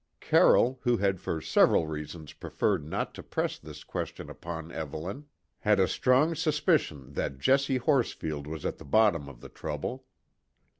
Carroll, who had for several reasons preferred not to press this question upon Evelyn, had a strong suspicion that Jessie Horsfield was at the bottom of the trouble.